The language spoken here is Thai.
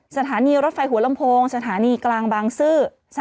สถานีรถไฟหัวลำโพงสถานีกลางบางซื่อ